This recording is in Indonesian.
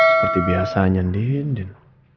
seperti biasanya andin